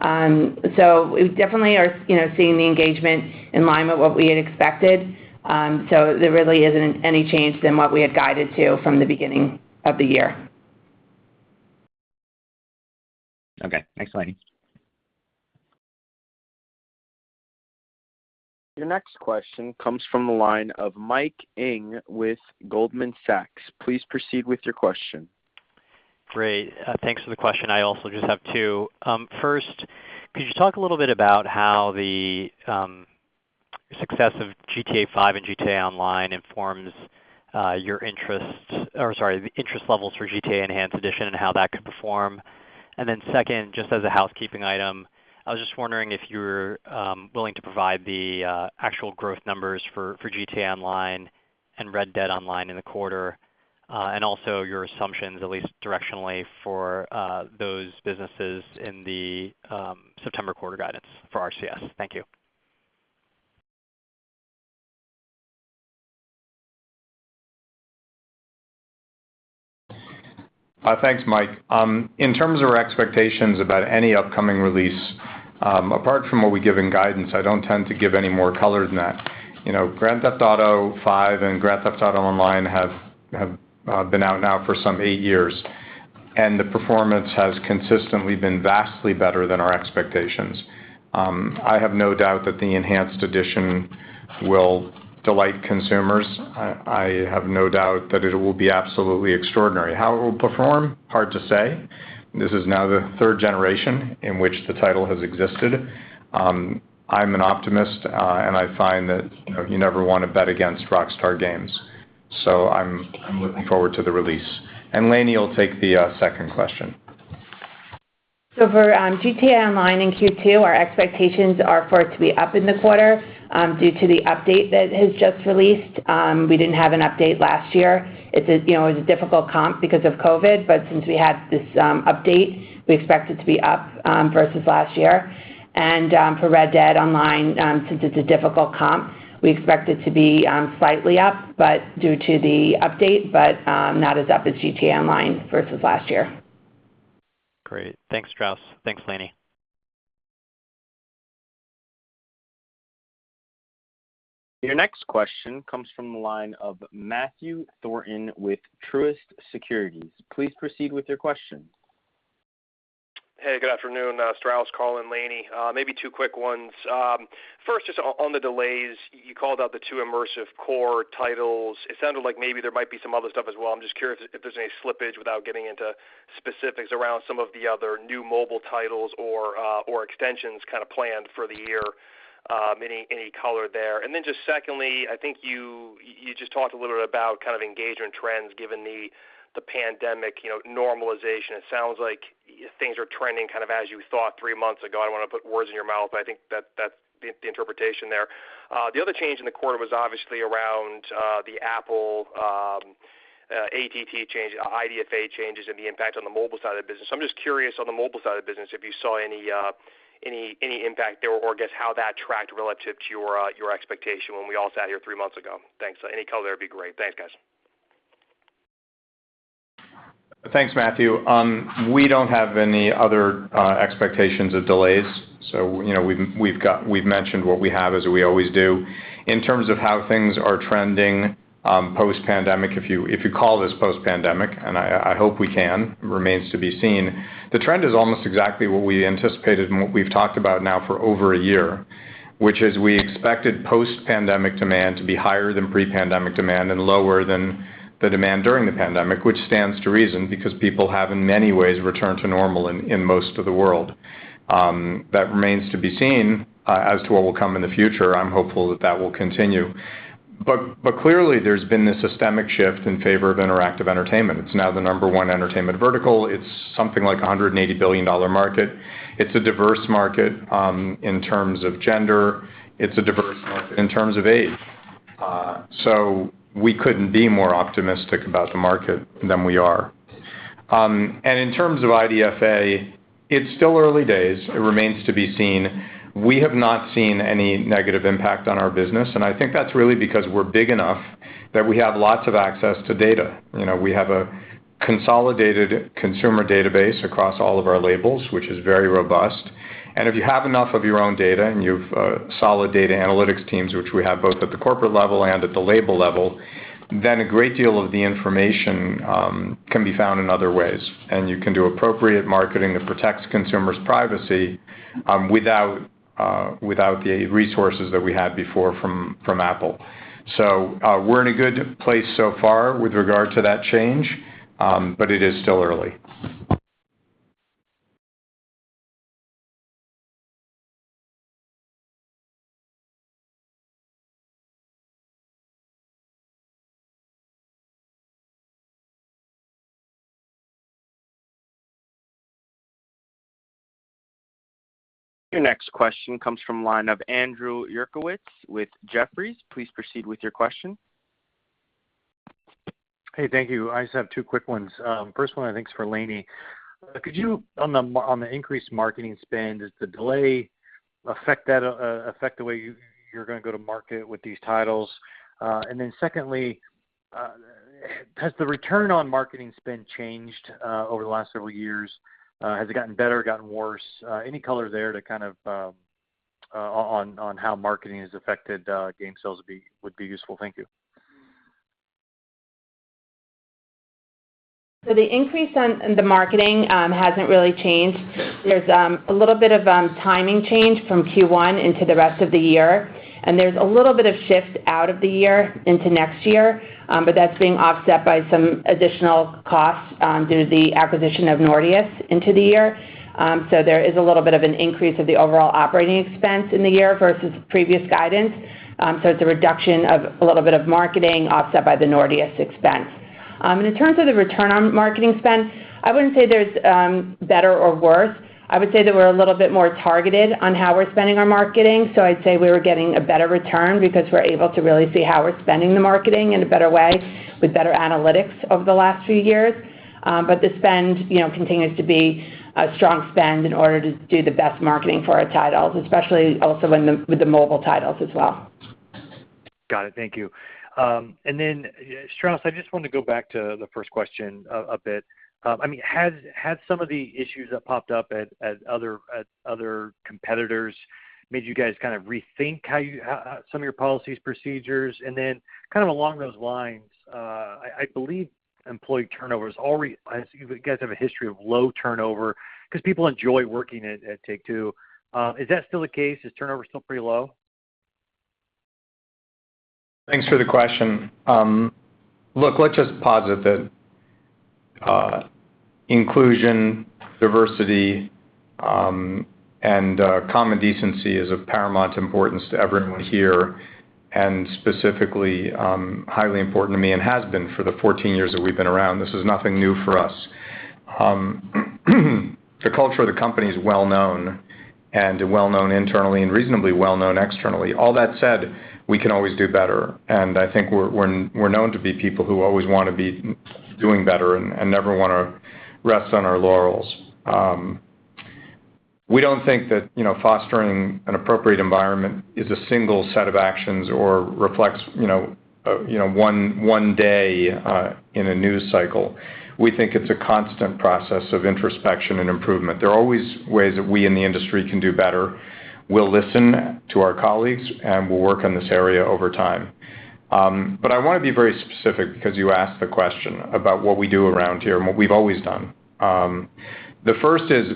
E: We definitely are seeing the engagement in line with what we had expected. There really isn't any change than what we had guided to from the beginning of the year.
F: Okay. Thanks, Lainie.
A: Your next question comes from the line of Mike Ng with Goldman Sachs. Please proceed with your question.
G: Great. Thanks for the question. I also just have two. First, could you talk a little bit about how the success of Grand Theft Auto V and Grand Theft Auto Online informs the interest levels for Grand Theft Auto Enhanced Edition and how that could perform? Second, just as a housekeeping item, I was just wondering if you're willing to provide the actual growth numbers for Grand Theft Auto Online and Red Dead Online in the quarter, and also your assumptions, at least directionally, for those businesses in the September quarter guidance for RCS. Thank you.
C: Thanks, Mike Ng. In terms of our expectations about any upcoming release, apart from what we give in guidance, I don't tend to give any more color than that. Grand Theft Auto V and Grand Theft Auto Online have been out now for some eight years, and the performance has consistently been vastly better than our expectations. I have no doubt that the enhanced edition will delight consumers. I have no doubt that it will be absolutely extraordinary. How it will perform, hard to say. This is now the third generation in which the title has existed. I'm an optimist, and I find that you never want to bet against Rockstar Games. I'm looking forward to the release. Lainie Goldstein will take the second question.
E: For Grand Theft Auto Online in Q2, our expectations are for it to be up in the quarter due to the update that has just released. We didn't have an update last year. It was a difficult comp because of COVID, but since we had this update, we expect it to be up versus last year. For Red Dead Online, since it's a difficult comp, we expect it to be slightly up, but due to the update, but not as up as Grand Theft Auto Online versus last year.
G: Great. Thanks, Strauss. Thanks, Lainie.
A: Your next question comes from the line of Matthew Thornton with Truist Securities. Please proceed with your question.
H: Hey, good afternoon. Strauss, Karl, Lainie. Maybe two quick ones. First, just on the delays, you called out the two immersive core titles. It sounded like maybe there might be some other stuff as well. I'm just curious if there's any slippage without getting into specifics around some of the other new mobile titles or extensions kind of planned for the year. Any color there? Just secondly, I think you just talked a little bit about kind of engagement trends given the pandemic normalization. It sounds like things are trending kind of as you thought three months ago. I don't want to put words in your mouth, I think that that's the interpretation there. The other change in the quarter was obviously around the Apple ATT change, IDFA changes, and the impact on the mobile side of the business. I'm just curious on the mobile side of the business, if you saw any impact there or I guess how that tracked relative to your expectation when we all sat here three months ago. Thanks. Any color there would be great. Thanks, guys.
C: Thanks, Matthew. We don't have any other expectations of delays. We've mentioned what we have as we always do. In terms of how things are trending post-pandemic, if you call this post-pandemic, and I hope we can, remains to be seen. The trend is almost exactly what we anticipated and what we've talked about now for over a year, which is we expected post-pandemic demand to be higher than pre-pandemic demand and lower than the demand during the pandemic, which stands to reason because people have in many ways returned to normal in most of the world. That remains to be seen as to what will come in the future. I'm hopeful that will continue. Clearly, there's been this systemic shift in favor of interactive entertainment. It's now the number one entertainment vertical. It's something like $180 billion market. It's a diverse market in terms of gender. It's a diverse market in terms of age. We couldn't be more optimistic about the market than we are. In terms of IDFA, it's still early days. It remains to be seen. We have not seen any negative impact on our business, and I think that's really because we're big enough that we have lots of access to data. We have a consolidated consumer database across all of our labels, which is very robust. If you have enough of your own data and you've solid data analytics teams, which we have both at the corporate level and at the label level, then a great deal of the information can be found in other ways. You can do appropriate marketing that protects consumers' privacy without the resources that we had before from Apple. We're in a good place so far with regard to that change, but it is still early.
A: Your next question comes from the line of Andrew Uerkwitz with Jefferies. Please proceed with your question.
I: Hey, thank you. I just have two quick ones. First one, I think is for Lainie. Could you, on the increased marketing spend, does the delay affect the way you're going to go to market with these titles? Secondly, has the return on marketing spend changed over the last several years? Has it gotten better or gotten worse? Any color there on how marketing has affected game sales would be useful. Thank you.
E: The increase in the marketing hasn't really changed. There's a little bit of timing change from Q1 into the rest of the year, and there's a little bit of shift out of the year into next year. That's being offset by some additional costs due to the acquisition of Nordeus into the year. There is a little bit of an increase of the overall operating expense in the year versus previous guidance. It's a reduction of a little bit of marketing offset by the Nordeus expense. In terms of the return on marketing spend, I wouldn't say there's better or worse. I would say that we're a little bit more targeted on how we're spending our marketing. I'd say we were getting a better return because we're able to really see how we're spending the marketing in a better way with better analytics over the last few years. The spend continues to be a strong spend in order to do the best marketing for our titles, especially also with the mobile titles as well.
I: Got it. Thank you. Strauss, I just wanted to go back to the first question a bit. Has some of the issues that popped up at other competitors made you guys rethink some of your policies, procedures? Kind of along those lines, I believe employee turnover. You guys have a history of low turnover because people enjoy working at Take-Two. Is that still the case? Is turnover still pretty low?
C: Thanks for the question. Look, let's just posit that inclusion, diversity, and common decency is of paramount importance to everyone here, and specifically, highly important to me and has been for the 14 years that we've been around. This is nothing new for us. The culture of the company is well-known and well-known internally and reasonably well-known externally. All that said, we can always do better, and I think we're known to be people who always want to be doing better and never want to rest on our laurels. We don't think that fostering an appropriate environment is a single set of actions or reflects one day in a news cycle. We think it's a constant process of introspection and improvement. There are always ways that we in the industry can do better. We'll listen to our colleagues, and we'll work on this area over time. I want to be very specific because you asked the question about what we do around here and what we've always done. The first is,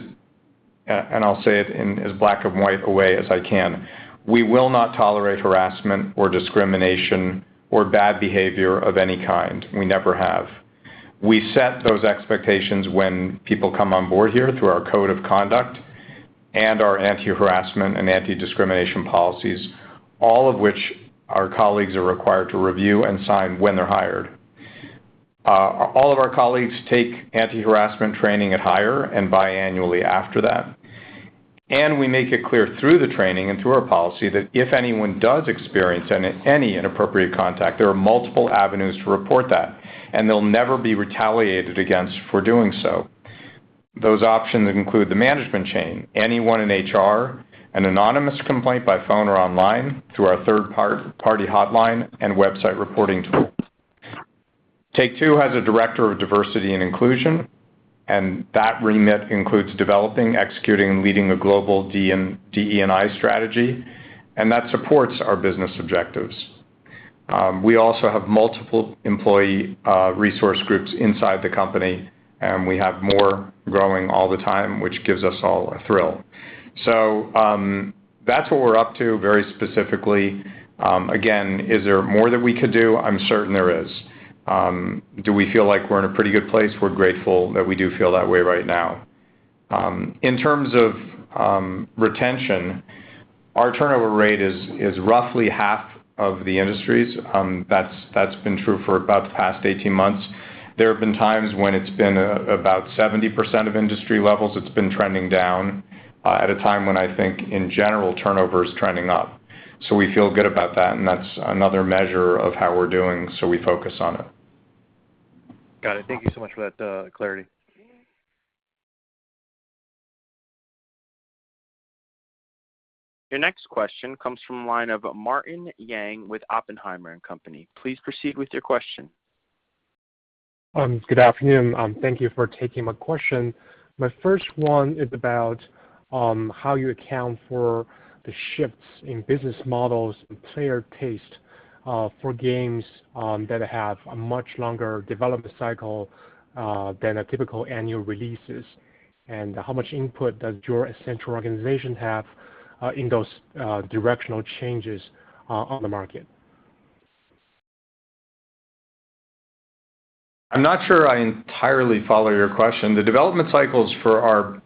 C: I'll say it in as black and white a way as I can, we will not tolerate harassment or discrimination or bad behavior of any kind. We never have. We set those expectations when people come on board here through our code of conduct and our anti-harassment and anti-discrimination policies, all of which our colleagues are required to review and sign when they're hired. All of our colleagues take anti-harassment training at hire and biannually after that. We make it clear through the training and through our policy that if anyone does experience any inappropriate contact, there are multiple avenues to report that, and they'll never be retaliated against for doing so. Those options include the management chain, anyone in HR, an anonymous complaint by phone or online through our third-party hotline, and website reporting tools. Take-Two has a director of diversity and inclusion, and that remit includes developing, executing, leading a global DE&I strategy, and that supports our business objectives. We also have multiple employee resource groups inside the company, and we have more growing all the time, which gives us all a thrill. That's what we're up to very specifically. Again, is there more that we could do? I'm certain there is. Do we feel like we're in a pretty good place? We're grateful that we do feel that way right now. In terms of retention, our turnover rate is roughly half of the industry's. That's been true for about the past 18 months. There have been times when it's been about 70% of industry levels. It's been trending down at a time when I think in general, turnover is trending up. We feel good about that, and that's another measure of how we're doing, so we focus on it.
I: Got it. Thank you so much for that clarity.
A: Your next question comes from the line of Martin Yang with Oppenheimer & Co. Please proceed with your question.
J: Good afternoon. Thank you for taking my question. My first one is about how you account for the shifts in business models and player taste for games that have a much longer development cycle than typical annual releases, and how much input does your central organization have in those directional changes on the market?
C: I'm not sure I entirely follow your question. The development cycles for our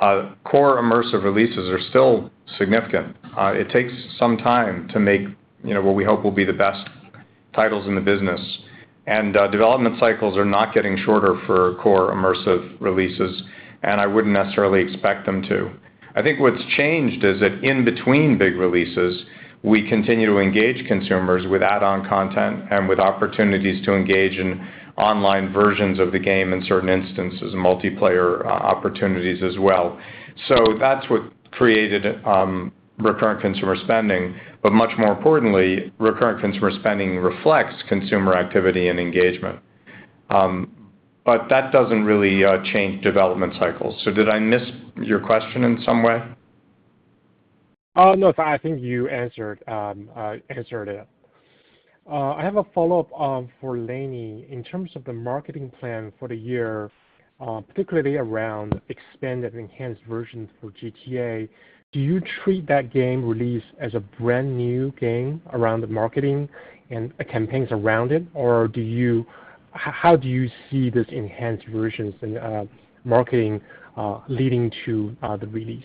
C: core immersive releases are still significant. It takes some time to make what we hope will be the best titles in the business. Development cycles are not getting shorter for core immersive releases, and I wouldn't necessarily expect them to. I think what's changed is that in between big releases, we continue to engage consumers with add-on content and with opportunities to engage in online versions of the game in certain instances, multiplayer opportunities as well. That's what created recurrent consumer spending. Much more importantly, recurrent consumer spending reflects consumer activity and engagement. That doesn't really change development cycles. Did I miss your question in some way?
J: I think you answered it. I have a follow-up for Lainie. In terms of the marketing plan for the year, particularly around expanded enhanced versions for GTA, do you treat that game release as a brand new game around the marketing and the campaigns around it? Or how do you see this enhanced versions marketing leading to the release?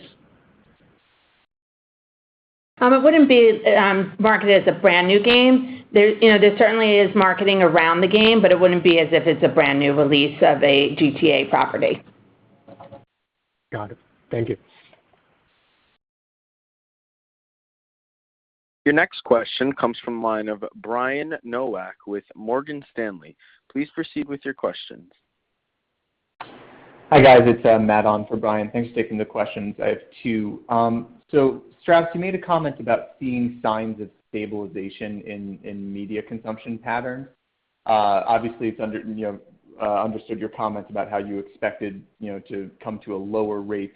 E: It wouldn't be marketed as a brand new game. There certainly is marketing around the game, but it wouldn't be as if it's a brand new release of a GTA property.
J: Got it. Thank you.
A: Your next question comes from the line of Brian Nowak with Morgan Stanley. Please proceed with your questions.
K: Hi, guys. It's Matt on for Brian. Thanks for taking the questions. I have two. Strauss, you made a comment about seeing signs of stabilization in media consumption patterns. Obviously, understood your comments about how you expected to come to a lower rate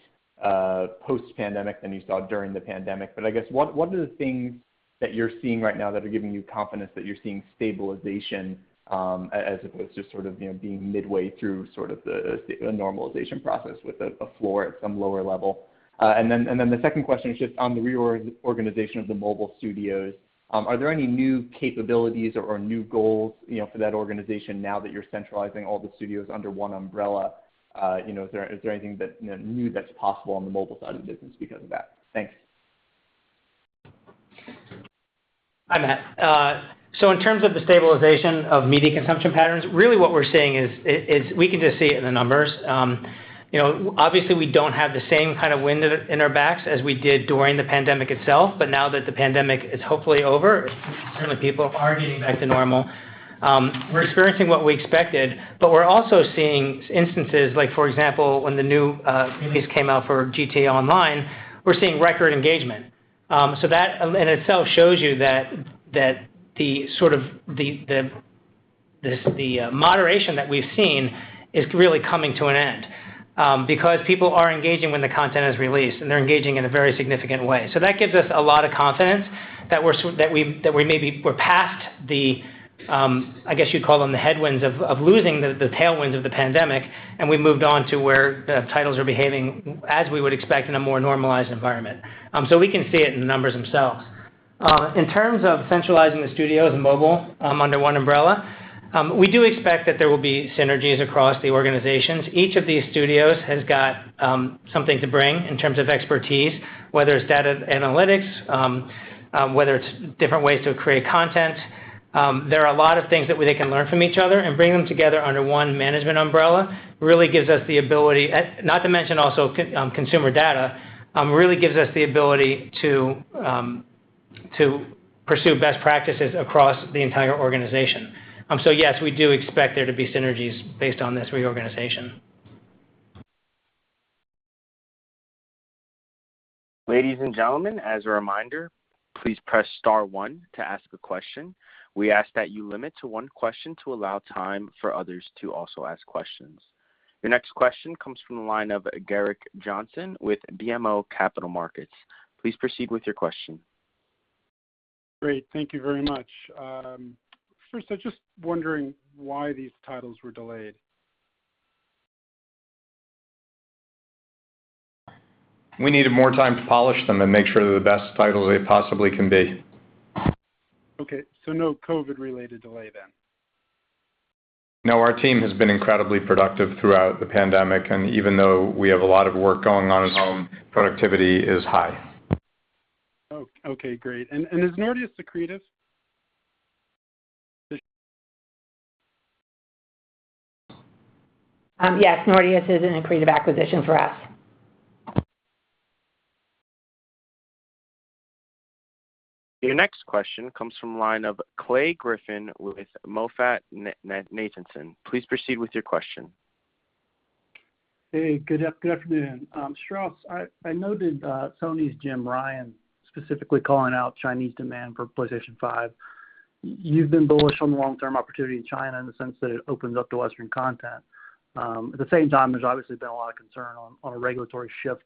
K: post-pandemic than you saw during the pandemic. I guess, what are the things that you're seeing right now that are giving you confidence that you're seeing stabilization as opposed to sort of being midway through sort of the normalization process with a floor at some lower level? The second question is just on the reorganization of the mobile studios. Are there any new capabilities or new goals for that organization now that you're centralizing all the studios under one umbrella? Is there anything new that's possible on the mobile side of the business because of that? Thanks.
D: Hi, Matt. In terms of the stabilization of media consumption patterns, really what we're seeing is, we can just see it in the numbers. Obviously, we don't have the same kind of wind in our backs as we did during the pandemic itself. Now that the pandemic is hopefully over, certainly people are getting back to normal. We're experiencing what we expected, but we're also seeing instances like, for example, when the new release came out for Grand Theft Auto Online, we're seeing record engagement. That in itself shows you that the moderation that we've seen is really coming to an end because people are engaging when the content is released, and they're engaging in a very significant way. That gives us a lot of confidence that maybe we're past the, I guess you'd call them the headwinds of losing the tailwinds of the pandemic, and we've moved on to where the titles are behaving as we would expect in a more normalized environment. We can see it in the numbers themselves. In terms of centralizing the studios and mobile under one umbrella, we do expect that there will be synergies across the organizations. Each of these studios has got something to bring in terms of expertise, whether it's data analytics, whether it's different ways to create content. There are a lot of things that they can learn from each other and bring them together under one management umbrella really gives us the ability, not to mention also consumer data, really gives us the ability to pursue best practices across the entire organization. Yes, we do expect there to be synergies based on this reorganization.
A: Ladies and gentlemen, as a reminder, please press star one to ask a question. We ask that you limit to one question to allow time for others to also ask questions. Your next question comes from the line of Gerrick Johnson with BMO Capital Markets. Please proceed with your question.
L: Great. Thank you very much. First, I'm just wondering why these titles were delayed.
C: We needed more time to polish them and make sure they're the best titles they possibly can be.
L: Okay. No COVID related delay then?
C: No, our team has been incredibly productive throughout the pandemic, and even though we have a lot of work going on at home, productivity is high.
L: Okay, great. Is Nordeus accretive?
E: Yes. Nordeus is an accretive acquisition for us.
A: Your next question comes from the line of Clay Griffin with MoffettNathanson. Please proceed with your question.
M: Hey, good afternoon. Strauss, I noted Sony's Jim Ryan specifically calling out Chinese demand for PlayStation 5. You've been bullish on the long-term opportunity in China in the sense that it opens up to Western content. At the same time, there's obviously been a lot of concern on a regulatory shift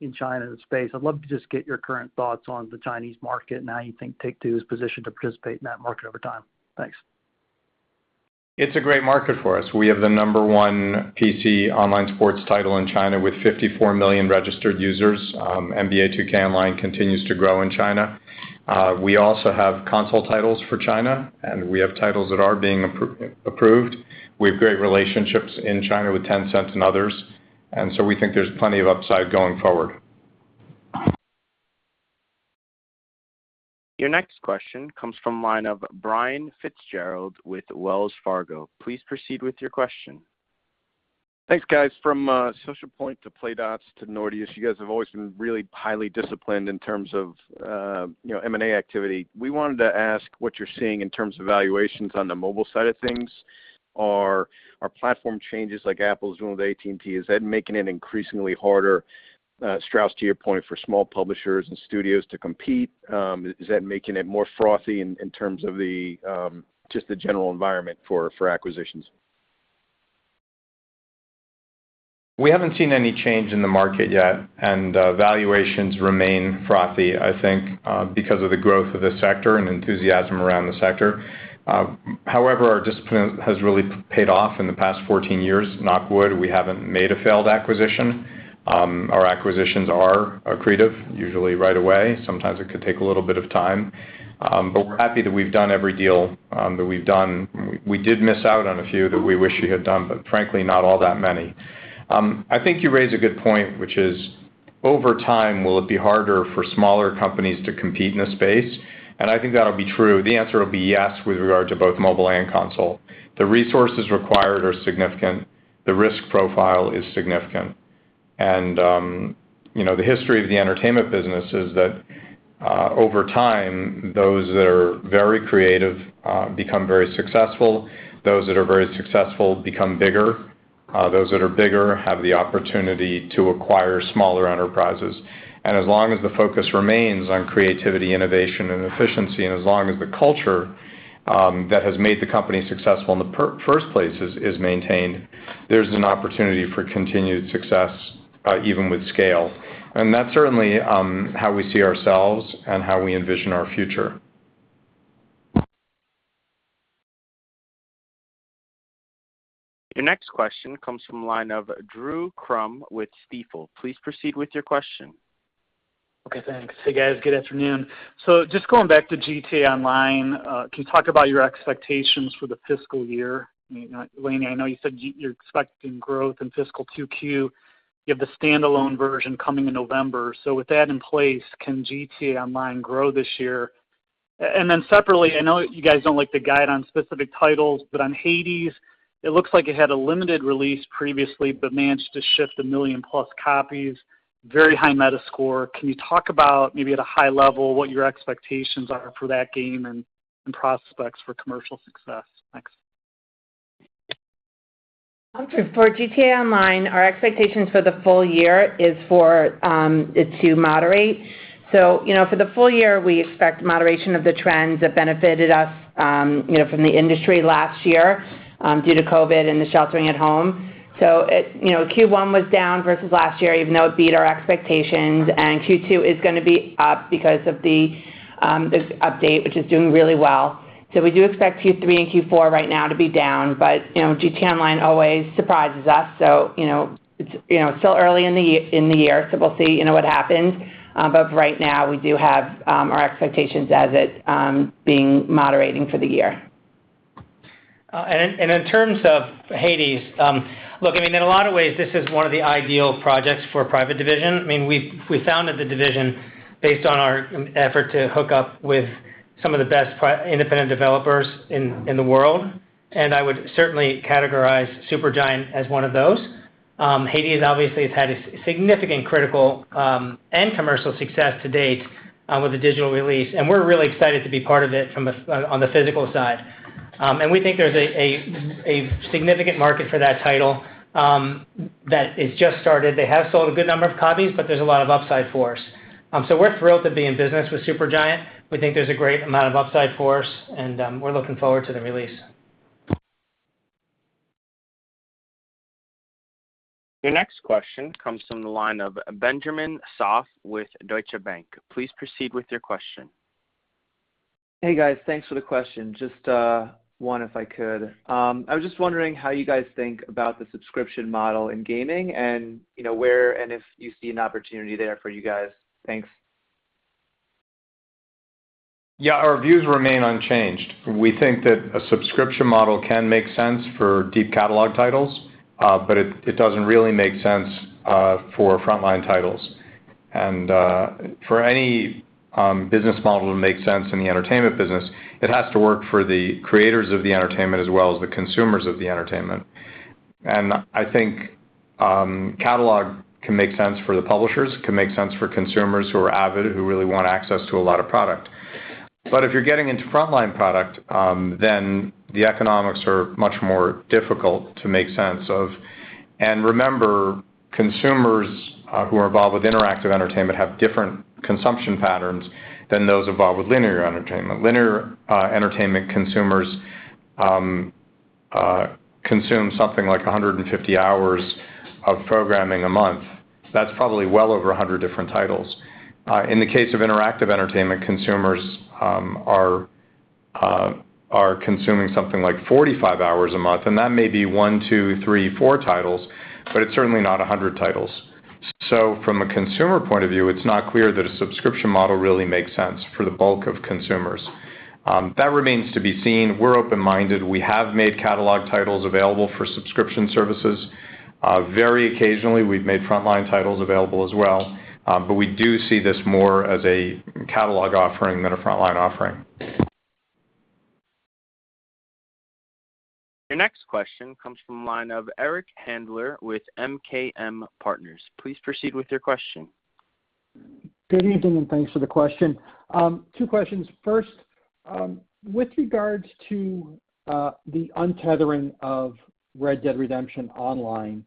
M: in China in the space. I'd love to just get your current thoughts on the Chinese market and how you think Take-Two is positioned to participate in that market over time. Thanks.
C: It's a great market for us. We have the number one PC online sports title in China with 54 million registered users. NBA 2K Online continues to grow in China. We also have console titles for China, and we have titles that are being approved. We have great relationships in China with Tencent and others, and so we think there's plenty of upside going forward.
A: Your next question comes from line of Brian Fitzgerald with Wells Fargo. Please proceed with your question.
N: Thanks, guys. From Socialpoint to Playdots to Nordeus, you guys have always been really highly disciplined in terms of M&A activity. We wanted to ask what you're seeing in terms of valuations on the mobile side of things. Are platform changes like Apple's doing with ATT, is that making it increasingly harder, Strauss, to your point, for small publishers and studios to compete? Is that making it more frothy in terms of just the general environment for acquisitions?
C: We haven't seen any change in the market yet, and valuations remain frothy, I think, because of the growth of the sector and enthusiasm around the sector. However, our discipline has really paid off in the past 14 years. Knock wood, we haven't made a failed acquisition. Our acquisitions are accretive, usually right away. Sometimes it could take a little bit of time. We're happy that we've done every deal that we've done. We did miss out on a few that we wish we had done, but frankly, not all that many. I think you raise a good point, which is, over time, will it be harder for smaller companies to compete in a space? I think that'll be true. The answer will be yes, with regard to both mobile and console. The resources required are significant. The risk profile is significant. The history of the entertainment business is that over time, those that are very creative become very successful. Those that are very successful become bigger. Those that are bigger have the opportunity to acquire smaller enterprises. As long as the focus remains on creativity, innovation, and efficiency, and as long as the culture that has made the company successful in the first place is maintained, there's an opportunity for continued success, even with scale. That's certainly how we see ourselves and how we envision our future.
A: Your next question comes from line of Drew Crum with Stifel. Please proceed with your question.
O: Okay, thanks. Hey, guys. Good afternoon. Just going back to Grand Theft Auto Online, can you talk about your expectations for the fiscal year? Lainie, I know you said you're expecting growth in fiscal Q2. You have the standalone version coming in November. With that in place, can Grand Theft Auto Online grow this year? Separately, I know you guys don't like to guide on specific titles, but on Hades, it looks like it had a limited release previously but managed to shift one million-plus copies, very high Metacritic score. Can you talk about maybe at a high level what your expectations are for that game and prospects for commercial success? Thanks.
E: For GTA Online, our expectations for the full year is for it to moderate. For the full year, we expect moderation of the trends that benefited us from the industry last year due to COVID and the sheltering at home. Q1 was down versus last year, even though it beat our expectations, and Q2 is going to be up because of this update, which is doing really well. We do expect Q3 and Q4 right now to be down, but GTA Online always surprises us. It's still early in the year, so we'll see what happens. Right now we do have our expectations as it being moderating for the year.
D: In terms of Hades, look, in a lot of ways, this is one of the ideal projects for Private Division. We founded the division based on our effort to hook up with some of the best independent developers in the world, and I would certainly categorize Supergiant as one of those. Hades obviously has had a significant critical and commercial success to date with the digital release, and we're really excited to be part of it on the physical side. We think there's a significant market for that title that has just started. They have sold a good number of copies, but there's a lot of upside for us. We're thrilled to be in business with Supergiant. We think there's a great amount of upside for us, and we're looking forward to the release.
A: Your next question comes from the line of Benjamin Soff with Deutsche Bank. Please proceed with your question.
P: Hey, guys. Thanks for the question. Just one if I could. I was just wondering how you guys think about the subscription model in gaming and where and if you see an opportunity there for you guys? Thanks.
C: Yeah. Our views remain unchanged. We think that a subscription model can make sense for deep catalog titles, but it doesn't really make sense for frontline titles. For any business model to make sense in the entertainment business, it has to work for the creators of the entertainment as well as the consumers of the entertainment. I think catalog can make sense for the publishers, can make sense for consumers who are avid, who really want access to a lot of product. If you're getting into frontline product, then the economics are much more difficult to make sense of. Remember, consumers who are involved with interactive entertainment have different consumption patterns than those involved with linear entertainment. Linear entertainment consumers consume something like 150 hours of programming a month. That's probably well over 100 different titles. In the case of interactive entertainment, consumers are consuming something like 45 hours a month, and that may be one, two, three, four titles, but it's certainly not 100 titles. From a consumer point of view, it's not clear that a subscription model really makes sense for the bulk of consumers. That remains to be seen. We're open-minded. We have made catalog titles available for subscription services. Very occasionally, we've made frontline titles available as well. We do see this more as a catalog offering than a frontline offering.
A: Your next question comes from the line of Eric Handler with MKM Partners. Please proceed with your question.
Q: Good evening, and thanks for the question. Two questions. First, with regards to the untethering of Red Dead Online,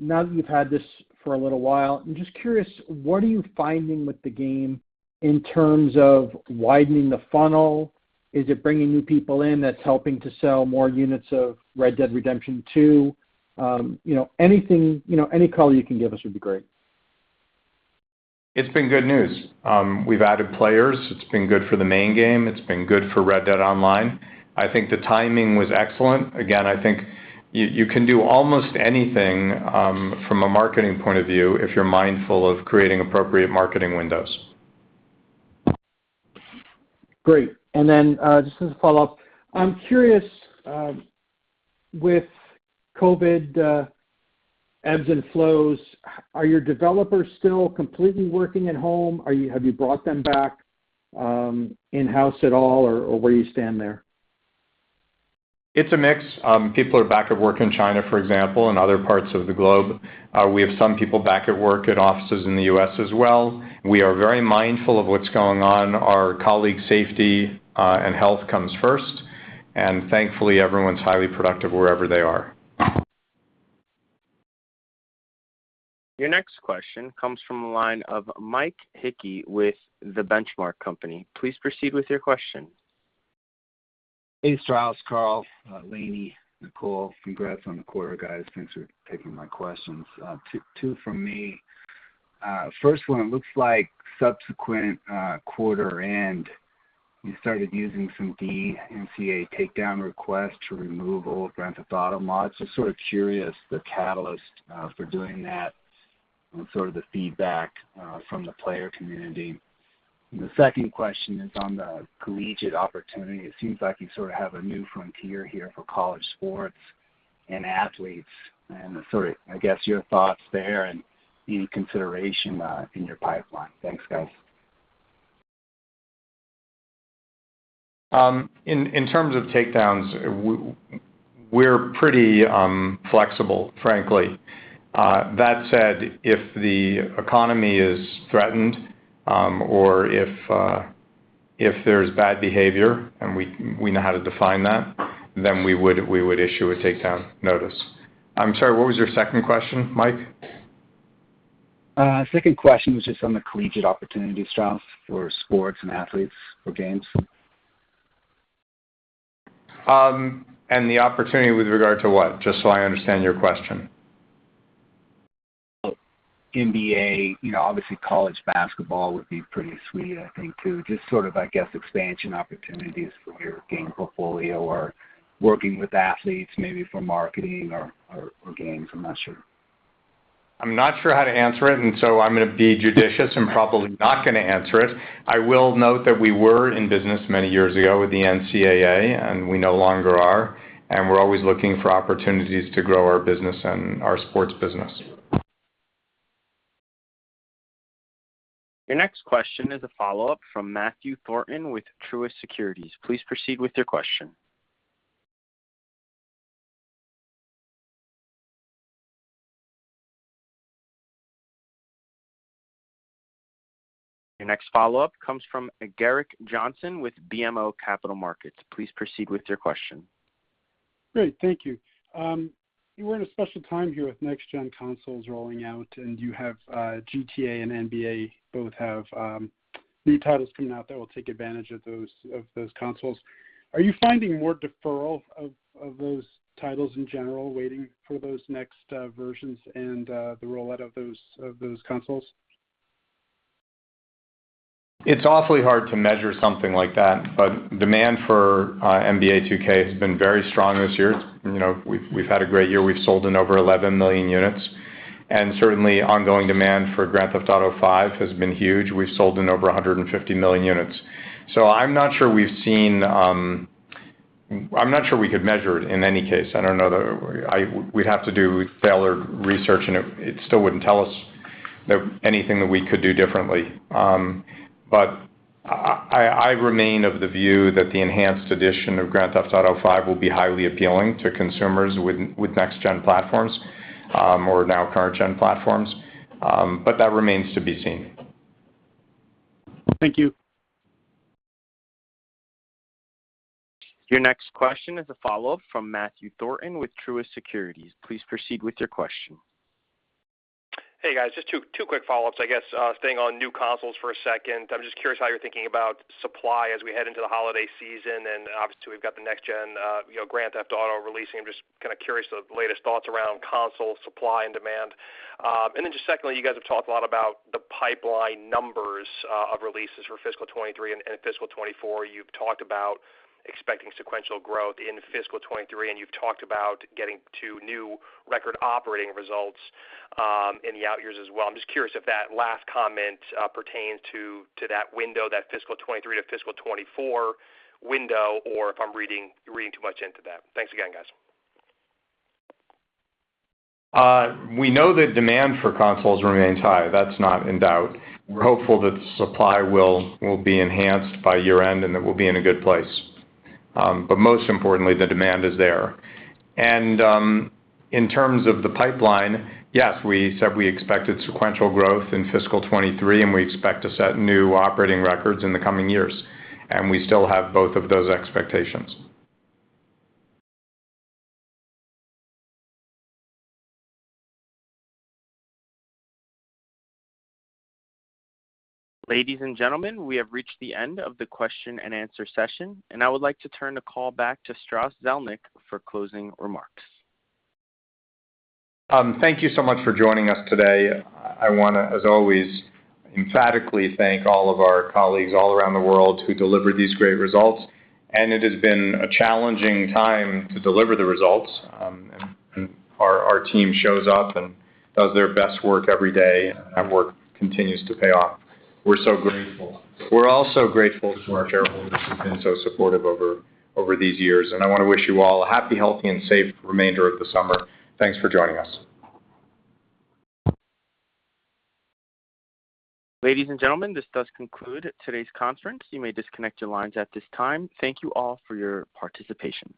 Q: now that you've had this for a little while, I'm just curious, what are you finding with the game in terms of widening the funnel? Is it bringing new people in that's helping to sell more units of Red Dead Redemption 2? Any color you can give us would be great.
C: It's been good news. We've added players. It's been good for the main game. It's been good for Red Dead Online. I think the timing was excellent. Again, I think you can do almost anything from a marketing point of view if you're mindful of creating appropriate marketing windows.
Q: Great. Just as a follow-up, I'm curious, with COVID ebbs and flows, are your developers still completely working at home? Have you brought them back in-house at all, or where do you stand there?
C: It's a mix. People are back at work in China, for example, and other parts of the globe. We have some people back at work at offices in the U.S. as well. We are very mindful of what's going on. Our colleagues' safety and health comes first, and thankfully, everyone's highly productive wherever they are.
A: Your next question comes from the line of Michael Hickey with The Benchmark Company. Please proceed with your question.
R: Hey, Strauss, Karl, Lainie, Nicole. Congrats on the quarter, guys. Thanks for taking my questions. Two from me. First one, it looks like subsequent quarter end, you started using some DMCA takedown request to remove old Grand Theft Auto mods. Just sort of curious the catalyst for doing that and sort of the feedback from the player community. The second question is on the collegiate opportunity. It seems like you sort of have a new frontier here for college sports and athletes, and I guess your thoughts there and any consideration in your pipeline. Thanks, guys.
C: In terms of takedowns, we're pretty flexible, frankly. That said, if the economy is threatened or if there's bad behavior, and we know how to define that, then we would issue a takedown notice. I'm sorry, what was your second question, Michael?
R: Second question was just on the collegiate opportunities, Strauss, for sports and athletes for games.
C: The opportunity with regard to what? Just so I understand your question.
R: NBA, obviously, college basketball would be pretty sweet, I think, too. Just sort of, I guess, expansion opportunities for your game portfolio or working with athletes maybe for marketing or games. I'm not sure.
C: I'm not sure how to answer it, and so I'm going to be judicious and probably not going to answer it. I will note that we were in business many years ago with the NCAA, and we no longer are, and we're always looking for opportunities to grow our business and our sports business.
A: Your next question is a follow-up from Matthew Thornton with Truist Securities. Please proceed with your question. Your next follow-up comes from Gerrick Johnson with BMO Capital Markets. Please proceed with your question.
L: Great. Thank you. You were in a special time here with next-gen consoles rolling out, and you have GTA and NBA both have new titles coming out that will take advantage of those consoles. Are you finding more deferral of those titles in general, waiting for those next versions and the rollout of those consoles?
C: It's awfully hard to measure something like that. Demand for NBA 2K has been very strong this year. We've had a great year. We've sold in over 11 million units. Certainly ongoing demand for Grand Theft Auto V has been huge. We've sold in over 150 million units. I'm not sure we could measure it in any case. We'd have to do failure research. It still wouldn't tell us anything that we could do differently. I remain of the view that the enhanced edition of Grand Theft Auto V will be highly appealing to consumers with next-gen platforms or now current gen platforms. That remains to be seen.
L: Thank you.
A: Your next question is a follow-up from Matthew Thornton with Truist Securities. Please proceed with your question.
H: Hey, guys. Just two quick follow-ups, I guess. Staying on new consoles for a second, I'm just curious how you're thinking about supply as we head into the holiday season, and obviously, we've got the next-gen Grand Theft Auto releasing. I'm just kind of curious the latest thoughts around console supply and demand. Secondly, you guys have talked a lot about the pipeline numbers of releases for fiscal 2023 and fiscal 2024. You've talked about expecting sequential growth in fiscal 2023, and you've talked about getting to new record operating results in the out years as well. I'm just curious if that last comment pertains to that window, that fiscal 2023 to fiscal 2024 window, or if I'm reading too much into that. Thanks again, guys.
C: We know that demand for consoles remains high. That's not in doubt. We're hopeful that supply will be enhanced by year-end and that we'll be in a good place. Most importantly, the demand is there. In terms of the pipeline, yes, we said we expected sequential growth in fiscal 2023, and we expect to set new operating records in the coming years. We still have both of those expectations.
A: Ladies and gentlemen, we have reached the end of the question and answer session, and I would like to turn the call back to Strauss Zelnick for closing remarks.
C: Thank you so much for joining us today. I want to, as always, emphatically thank all of our colleagues all around the world who delivered these great results. It has been a challenging time to deliver the results, and our team shows up and does their best work every day, and that work continues to pay off. We're so grateful. We're also grateful to our shareholders who've been so supportive over these years, and I want to wish you all a happy, healthy, and safe remainder of the summer. Thanks for joining us.
A: Ladies and gentlemen, this does conclude today's conference. You may disconnect your lines at this time. Thank you all for your participation.